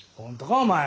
お前。